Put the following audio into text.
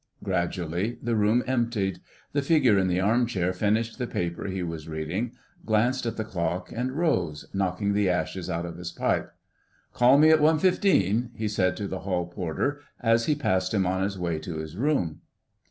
Gradually the room emptied. The figure in the arm chair finished the paper he was reading, glanced at the clock and rose, knocking the ashes out of his pipe. "Call me at 1.15," he said to the hall porter as he passed him on his way to his room.